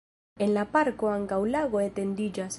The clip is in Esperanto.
En la parko ankaŭ lago etendiĝas.